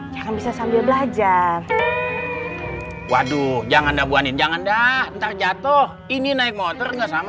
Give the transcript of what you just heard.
jangan bisa sambil belajar waduh jangan dabuanin jangan dah ntar jatuh ini naik motor nggak sama